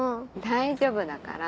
大丈夫だから。